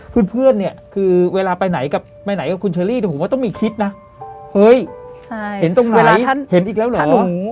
เพื่อนเนี่ยคือเวลาไปไหนกับไปไหนกับคุณเชอรี่แต่ผมว่าต้องมีคิดนะเฮ้ยเห็นตรงไหนเห็นอีกแล้วเหรอ